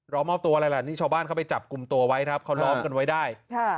รอมอบตัวอะไรล่ะนี่ชาวบ้านเข้าไปจับกลุ่มตัวไว้ครับเขาล้อมกันไว้ได้ค่ะ